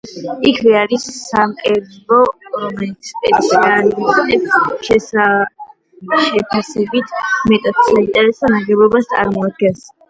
იქვე არის სამრეკლო, რომელიც, სპეციალისტების შეფასებით, მეტად საინტერესო ნაგებობას წარმოადგენს.